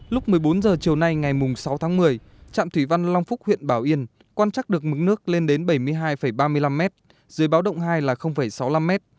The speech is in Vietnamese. lúc một mươi bốn h chiều nay ngày sáu tháng một mươi trạm thủy văn long phúc huyện bảo yên quan trắc được mức nước lên đến bảy mươi hai ba mươi năm m dưới báo động hai là sáu mươi năm m